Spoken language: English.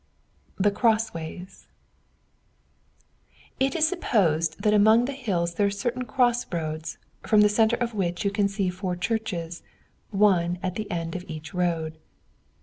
THE CROSSWAYS It is supposed that among the hills there are certain cross roads, from the centre of which you can see four churches, one at the end of each road.